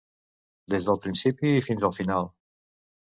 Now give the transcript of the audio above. Des del principi i fins al final.